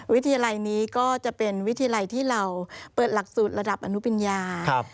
วิทยาลัยนี้ก็จะเป็นวิทยาลัยที่เราเปิดหลักสูตรระดับอนุปิญญา